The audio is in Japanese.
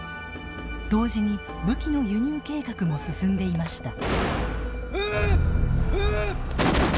同時に武器の輸入計画も進んでいました。